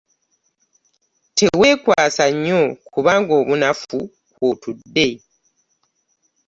Teweekwasa nnyo kubanga obunafu kw'otudde.